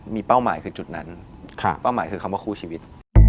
มีเป้าหมายคือจุดนั้นเป้าหมายคือคำว่าคู่ชีวิต